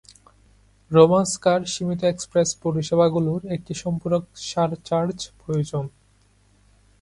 Romancecar সীমিত express পরিষেবাগুলির একটি সম্পূরক সারচার্জ প্রয়োজন।